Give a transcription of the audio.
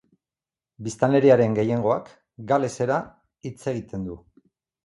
Biztanleriaren gehiengoak galesera hitz egiten du.